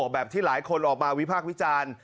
แบบที่หลายคนออกมาวิพากษ์วิจารณ์